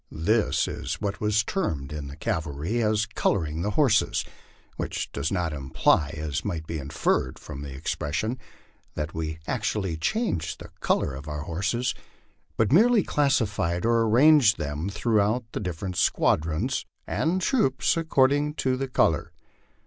This was what is termed in the cavalry " coloring the horses," which does not imply, as might be inferred from the expression, that we actually changed the color of our horses, but merely classified or arranged them throughout the different squad ions and troops according to the color.